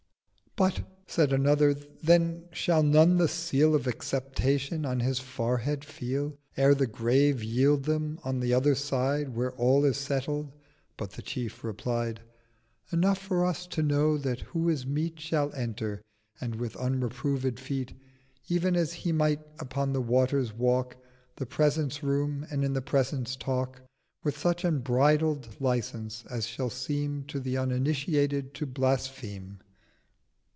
"' 'But,' said Another, 'then shall none the Seal Of Acceptation on his Forehead feel Ere the Grave yield them on the other Side 780 Where all is settled?' But the Chief replied— 'Enough for us to know that who is meet Shall enter, and with unreprovéd Feet, (Ev'n as he might upon the Waters walk) The Presence room, and in the Presence talk With such unbridled Licence as shall seem To the Uninitiated to blaspheme.'